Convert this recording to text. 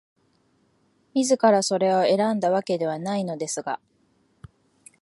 自らそれを選んだわけではないのですが、